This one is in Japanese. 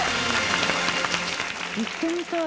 行ってみたい。